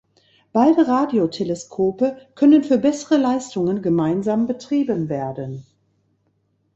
Beide Radioteleskope können für bessere Leistungen gemeinsam betrieben werden.